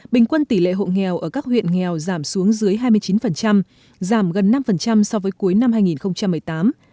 bình quân tỷ lệ hộ nghèo ở các huyện nghèo giảm xuống dưới hai mươi chín giảm gần năm so với cuối năm hai nghìn một mươi tám